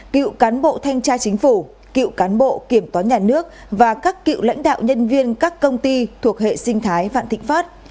cựu cán bộ thanh tra chính phủ cựu cán bộ kiểm toán nhà nước và các cựu lãnh đạo nhân viên các công ty thuộc hệ sinh thái vạn thịnh pháp